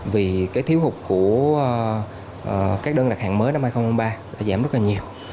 vì cái thiếu hụt của các đơn đặt hàng mới năm hai nghìn hai mươi ba đã giảm rất là nhiều